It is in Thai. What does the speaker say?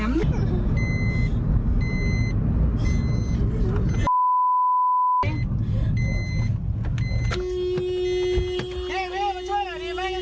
เราจะไปจุดเขาได้ไง